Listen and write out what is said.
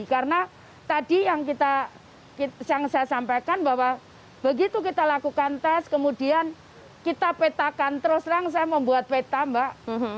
karena tadi yang saya sampaikan bahwa begitu kita lakukan tes kemudian kita petakan terus sekarang saya membuat peta mbak